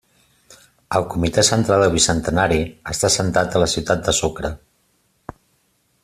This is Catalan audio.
El Comitè Central del Bicentenari està assentat a la ciutat de Sucre.